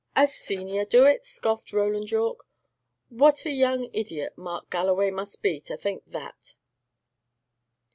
"A senior do it!" scoffed Roland Yorke. "What a young idiot Mark Galloway must be, to think that!"